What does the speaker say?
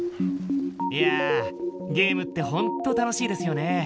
いやゲームってほんと楽しいですよね。